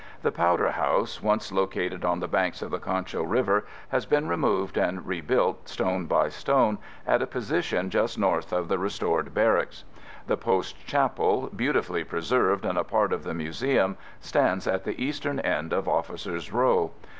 The Powder House, once located on the banks of the Concho River, has been removed and rebuilt, stone by stone, at a position just North of the restored Barracks. The Post Chapel, beautifully preserved, and a part of the Museum, stands at the Eastern end of Officer's Row.